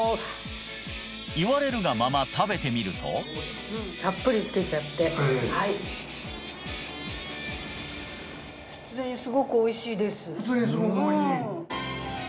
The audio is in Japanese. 言われるがまま食べてみるとたっぷりつけちゃって普通に普通にすごくおいしい？